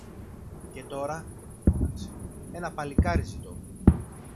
Και τώρα, φώναξε, ένα παλικάρι ζητώ